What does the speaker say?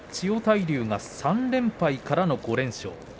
千代大龍３連敗からの５連勝です。